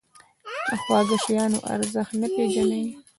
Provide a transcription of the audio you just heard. د خواږه شیانو ارزښت نه پېژني.